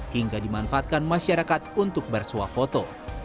hingga dimanfaatkan masyarakat untuk bersuah foto